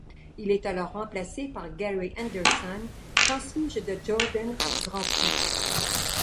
Il est alors remplacé par Gary Anderson, transfuge de Jordan Grand Prix.